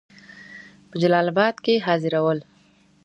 په جلال آباد کې حاضر ول.